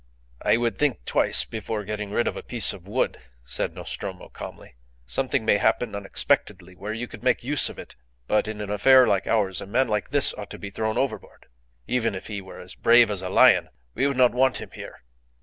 "I would think twice before getting rid of a piece of wood," said Nostromo, calmly. "Something may happen unexpectedly where you could make use of it. But in an affair like ours a man like this ought to be thrown overboard. Even if he were as brave as a lion we would not want him here.